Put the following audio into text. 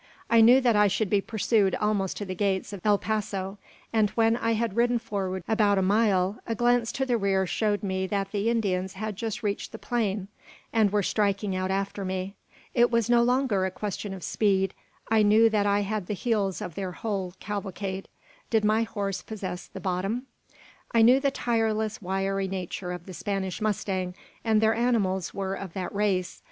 I knew that I should be pursued almost to the gates of El Paso; and, when I had ridden forward about a mile, a glance to the rear showed me that the Indians had just reached the plain, and were striking out after me. It was no longer a question of speed. I knew that I had the heels of their whole cavalcade. Did my horse possess the "bottom"? I knew the tireless, wiry nature of the Spanish mustang; and their animals were of that race.